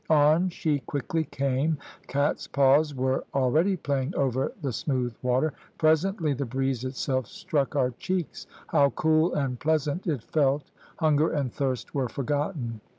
On she quickly came; cat's paws were already playing over the smooth water; presently the breeze itself struck our cheeks. How cool and pleasant it felt; hunger and thirst were forgotten.